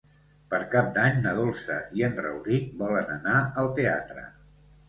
Per Cap d'Any na Dolça i en Rauric volen anar al teatre.